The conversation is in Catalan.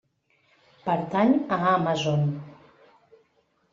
Pertany a Amazon.